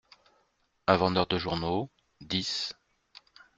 Un Vendeur de Journaux : dix…